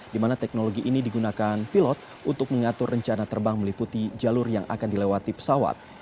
di mana teknologi ini digunakan pilot untuk mengatur rencana terbang meliputi jalur yang akan dilewati pesawat